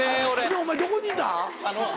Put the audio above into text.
お前どこにいた？